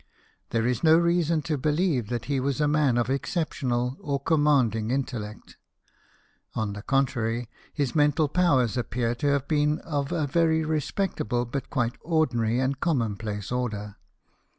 There is no reason to believe that he 138 BIOGRAPHIES OF WORKING MEN. was a man of exceptional or commanding intellect. On the contrary, his mental powers appear to have been of a very respectable but quite ordinary and commonplace order.